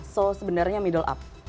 so sebenarnya middle up